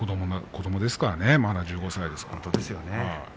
子どもですからね、まだ１５歳ですから。